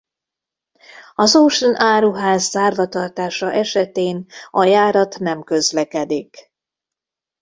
Az Auchan Áruház zárva tartása esetén a járat nem közlekedik.